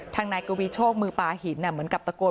นายกวีโชคมือปลาหินเหมือนกับตะโกน